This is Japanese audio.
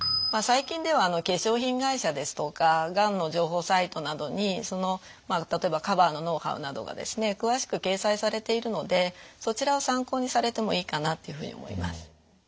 最近では化粧品会社ですとかがんの情報サイトなどにその例えばカバーのノウハウなどがですね詳しく掲載されているのでそちらを参考にされてもいいかなっていうふうに思います。